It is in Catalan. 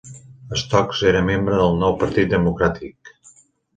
Stokes era membre del Nou Partit Democràtic.